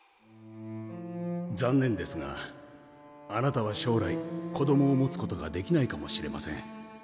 残念ですがあなたは将来子供を持つことができないかもしれません。